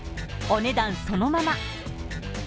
お値段そのまま。